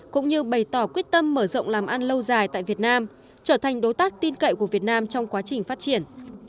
cũng như bày tỏ quyết tâm mở rộng làm ăn lâu dài tại việt nam trở thành đối tác tin cậy của việt nam trong quá trình phát triển